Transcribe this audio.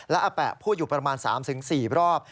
และอาแปะพูดอยู่ประมาณ๓๔รอบ